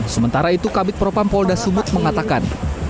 sementara itu kabit propam polda sumut mengatakan